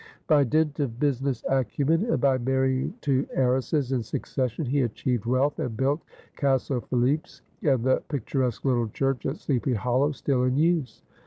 By dint of business acumen and by marrying two heiresses in succession he achieved wealth, and built "Castle Philipse" and the picturesque little church at Sleepy Hollow, still in use.